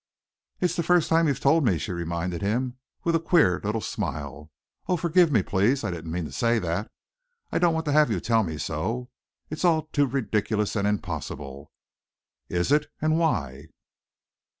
"It's the first time you've told me," she reminded him, with a queer little smile. "Oh, forgive me, please! I didn't mean to say that. I don't want to have you tell me so. It's all too ridiculous and impossible." "Is it? And why?"